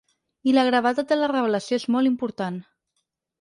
I la gravetat de la revelació és molt important.